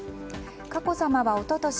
佳子さまは一昨年